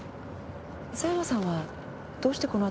狭山さんはどうしてこの辺りに？